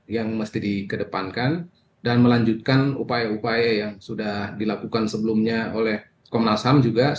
yang mesti dikedepankan dan melanjutkan upaya upaya yang sudah dilakukan sebelumnya oleh komnas ham juga